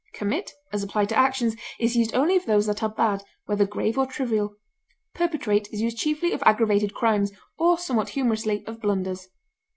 Commit, as applied to actions, is used only of those that are bad, whether grave or trivial; perpetrate is used chiefly of aggravated crimes or, somewhat humorously, of blunders.